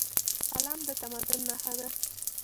قلم د تمدن نښه ده.